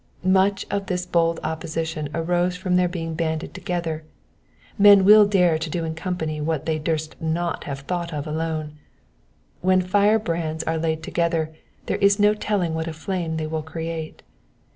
Much of this bold opposition arose from their being banded together : men will dare to do in company what they durst not have thought of alone. When fire brands are laid together there is no telling what a fiame they will create.